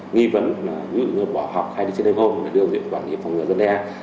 nghi vấn như bỏ học hay đi trên đêm hôm để đưa diễn quản lý phòng ngựa dân đe